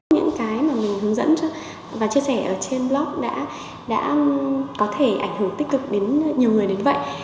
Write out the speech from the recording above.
những cái mà mình hướng dẫn và chia sẻ ở trên blog đã có thể ảnh hưởng tích cực đến nhiều người đến vậy